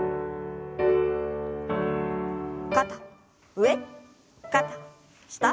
肩上肩下。